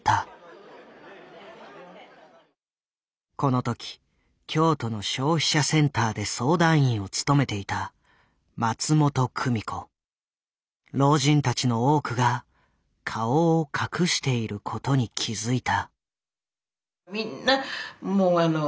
この時京都の消費者センターで相談員を務めていた老人たちの多くが顔を隠していることに気付いた。